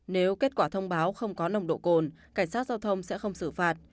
nếu kết quả thông báo không có nồng độ cồn cảnh sát giao thông sẽ không xử phạt